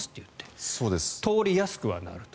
通りやすくはなると。